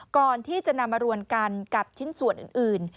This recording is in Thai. ก่อนที่จะนำมารวมกันกับชิ้นส่วนอื่น